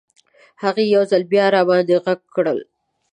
هغې یو ځل بیا راباندې غږ کړل.